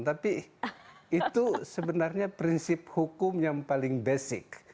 tapi itu sebenarnya prinsip hukum yang paling basic